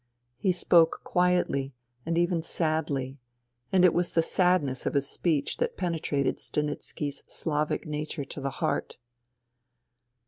He spoke quietly and even sadly ; and it was the sadness of his speech that penetrated Stanitski' s Slavic nature to the heart.